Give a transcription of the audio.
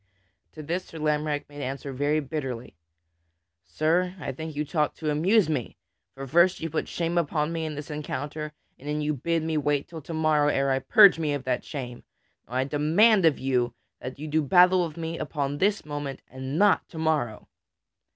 To this Sir Lamorack made answer very bitterly: "Sir, I think you talk to amuse me; for first you put shame upon me in this encounter, and then you bid me wait until to morrow ere I purge me of that shame. Now I demand of you to do battle with me upon this moment and not to morrow."